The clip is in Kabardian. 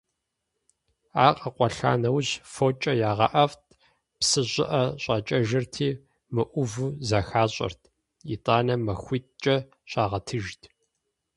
Ар къэкъуэлъа нэужь фокIэ ягъэIэфIт, псы щIыIэ щIакIэжырти, мыIуву зэхащIэрт, итIанэ махуитIкIэ щагъэтыжт.